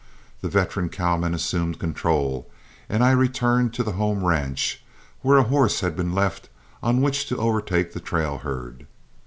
The veteran cowman assumed control, and I returned to the home ranch, where a horse had been left on which to overtake the trail herd.